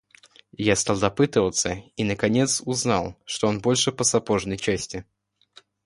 Я стал допытываться и, наконец, узнал, что он больше по сапожной части.